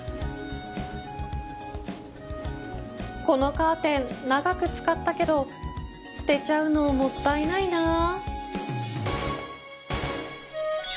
このカーテン長く使ったけど捨てちゃうのもったいないな